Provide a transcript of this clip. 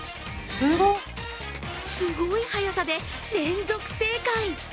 すごい速さで連続正解。